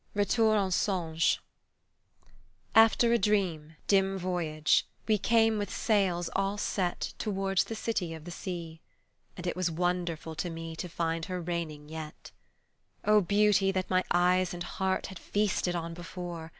RETOUR EN SONGE AFTER a dream dim voyage We came with sails all set Towards the city of the sea, And it was wonderful to me To find her reigning yet. Oh beauty that my eyes and heart Had feasted on before!